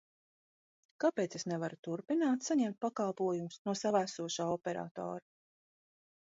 Kāpēc es nevaru turpināt saņemt pakalpojumus no sava esošā operatora?